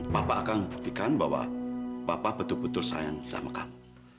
papa akan buktikan bahwa papa betul betul sayang sama kamu